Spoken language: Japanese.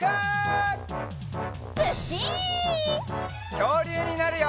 きょうりゅうになるよ！